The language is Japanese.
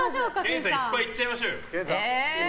研さん、いっぱいいっちゃいましょうよ。